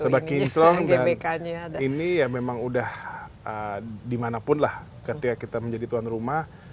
serba kinclong dan ini ya memang udah dimanapun lah ketika kita menjadi tuan rumah